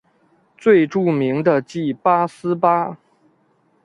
最著名的即八思巴。